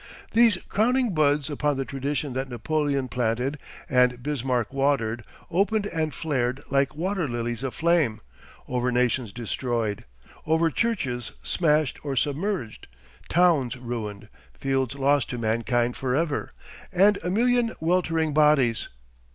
These crowning buds upon the tradition that Napoleon planted and Bismarck watered, opened and flared 'like waterlilies of flame' over nations destroyed, over churches smashed or submerged, towns ruined, fields lost to mankind for ever, and a million weltering bodies.